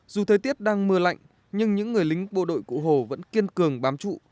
dù thời tiết đang mưa lạnh nhưng những người lính bộ đội cụ hồ vẫn kiên cường bám trụ